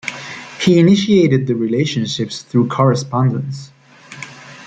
He initiated the relationships through correspondence.